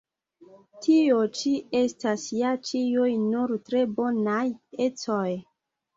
Tio ĉi estas ja ĉiuj nur tre bonaj ecoj!